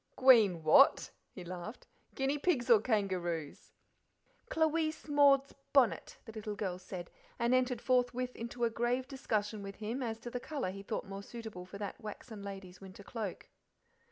"Gween what?" he laughed "guinea pigs or kangaroos?" "Clawice Maud's bonnet," the little girl said, and entered forthwith into a grave discussion with him as to the colour he thought more suitable for that waxen lady's winter cloak.